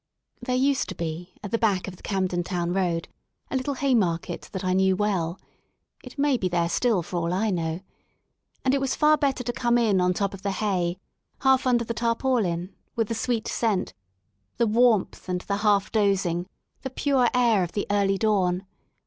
There used to be at the back of the Camden Town Road a little hay market that I knew well^it may be there still for all I know — and it was far better to come in on top of the hay, half under the tarpaulin, with the sweet scent, the warmth and the half dozing, the pure air of the early dawn.